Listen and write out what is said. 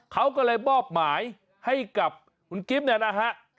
เขาก็เลยมอบหมายให้กับคุณกิ๊บเนี่ยนะฮะ